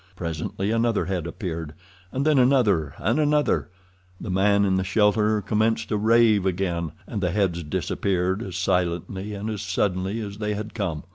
Presently another head appeared, and then another and another. The man in the shelter commenced to rave again, and the heads disappeared as silently and as suddenly as they had come.